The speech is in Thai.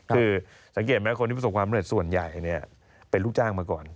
คือสังเกตไหมคนที่ประสบความเร็จส่วนใหญ่เป็นลูกจ้างมาก่อน